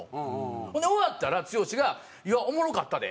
ほんで終わったら剛が「いやおもろかったで」